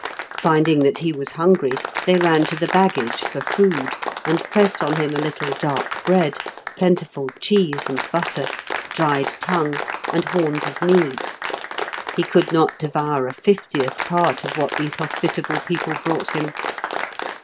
Finding that he was hungry they ran to the baggage for food, and pressed on him a little dark bread, plentiful cheese and butter, dried tongue, and horns of mead. He could not devour a fiftieth part of what these hospitable people brought him.